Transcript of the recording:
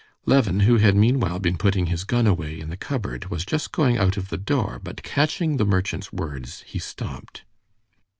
Levin, who had meanwhile been putting his gun away in the cupboard, was just going out of the door, but catching the merchant's words, he stopped.